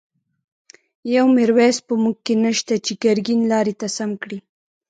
يو” ميرويس ” په موږکی نشته، چی ګر ګين لاری ته سم کړی